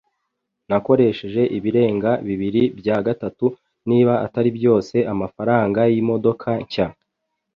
Nakoresheje ibirenga bibiri bya gatatu, niba atari byose, amafaranga yimodoka nshya.